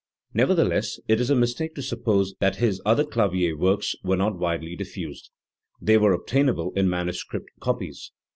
Nevertheless it is a mistake to suppose that his other clavier works were not widely diffused, Tjhey were ob , tainable in manuscript copies.